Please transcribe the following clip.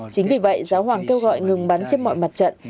chính vì vậy giáo hoàng kêu gọi ngừng bắn trên mọi mặt trận